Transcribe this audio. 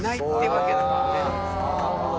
なるほど。